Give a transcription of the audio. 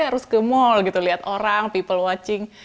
kalau mau ada inspirasi harus ke mall gitu lihat orang people watching